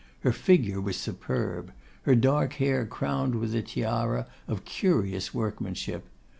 Her figure was superb; her dark hair crowned with a tiara of curious workmanship.